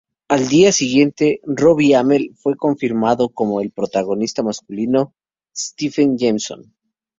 Al día siguiente, Robbie Amell fue confirmado como el protagonista masculino, Stephen Jameson.